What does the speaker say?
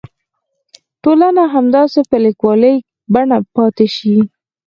ټولنه همداسې په کلیوالي بڼه پاتې شي.